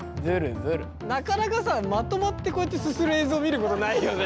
なかなかさまとまってこうやってすする映像見ることないよね。